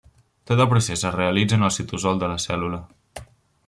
Tot el procés es realitza en el citosol de la cèl·lula.